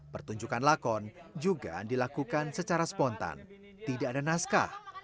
pertunjukan lakon juga dilakukan secara spontan tidak ada naskah